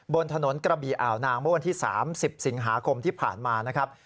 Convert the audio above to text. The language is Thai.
บนถนนกระบี่อ่าวนางเมื่อวันที่๓๐สิงหาคมที่ผ่านมานะครับ